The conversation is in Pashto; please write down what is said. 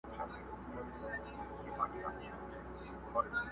چي « منظور» به هم د قام هم د الله سي؛